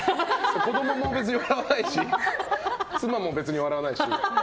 子供も別に笑わないし妻も別に笑わないし。